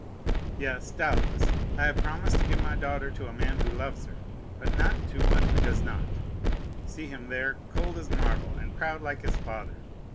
"Yes, doubtless I have promised to give my daughter to a man who loves her, but not to one who does not. See him there, cold as marble and proud like his father.